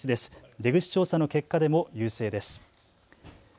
出口調査の結果でも優勢です。